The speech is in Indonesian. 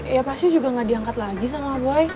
ya pasti juga gak diangkat lagi sama boy